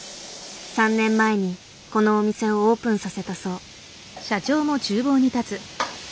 ３年前にこのお店をオープンさせたそう。